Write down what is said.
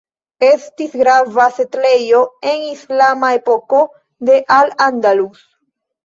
Estis grava setlejo en islama epoko de Al Andalus.